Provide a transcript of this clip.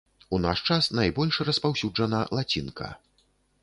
У наш час найбольш распаўсюджана лацінка.